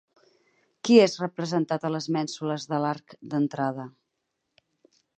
Qui és representat a les mènsules de l'arc d'entrada?